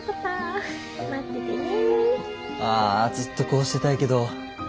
ああずっとこうしてたいけど。